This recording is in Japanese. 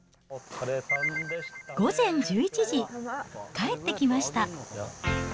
午前１１時、帰ってきました。